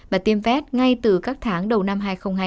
và tiêm vét ngay từ các tháng đầu năm hai nghìn hai mươi